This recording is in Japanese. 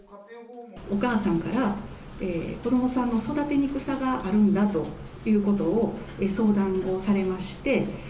お母さんから、子どもさんの育てにくさがあるんだということを相談をされまして。